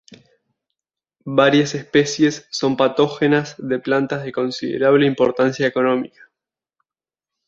Varias especies son patógenas de plantas de considerable importancia económica.